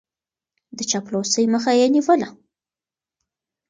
د چاپلوسۍ مخه يې نيوله.